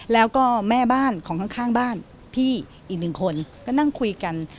แล้วก็แม่บ้านของข้างบ้านพี่อีกหนึ่งคนก็นั่งคุยกัน